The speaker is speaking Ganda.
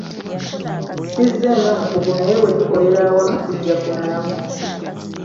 Sizze nga mukugu naye bwe tukolera awamu tujja kumalako.